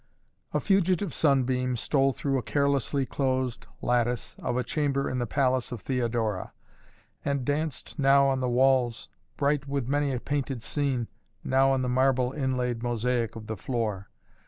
A fugitive sunbeam stole through a carelessly closed lattice of a chamber in the palace of Theodora, and danced now on the walls, bright with many a painted scene, now on the marble inlaid mosaic of the floor.